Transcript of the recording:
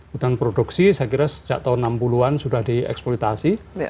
hutan produksi saya kira sejak tahun enam puluh an sudah dieksploitasi